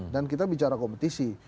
dan kita bicara kompetisi